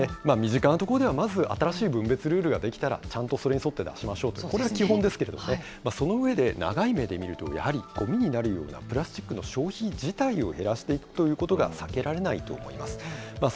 身近な所ではまず新しい分別ルールが出来たら、ちゃんとそれに沿って出しましょうと、これが基本ですけどね、その上で、長い目で見るとやはりごみになるようなプラスチックの消費自体を減らしていくということが避けられないと思います。